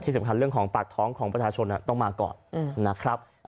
สำคัญเรื่องของปากท้องของประชาชนต้องมาก่อนนะครับ